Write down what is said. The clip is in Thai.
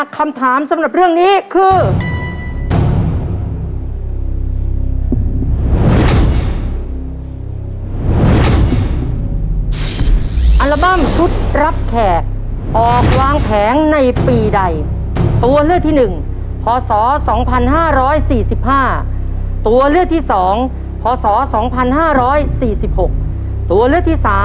คำถามสำหรับเรื่องนี้คือ